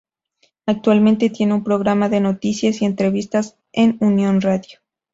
Actualmente tiene un programa de noticias y entrevistas en Unión Radio.